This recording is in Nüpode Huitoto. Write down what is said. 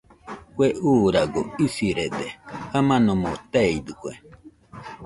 Kue uuragoɨ isirede, jamanomo teidɨkue.